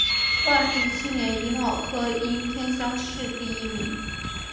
万历七年己卯科应天乡试第一名。